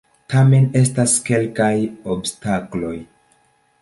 Tamen estas kelkaj obstakloj!